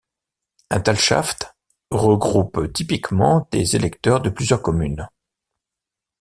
Un talschaft regroupe typiquement des électeurs de plusieurs communes.